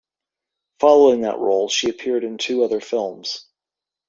Following that role, she appeared in two other films.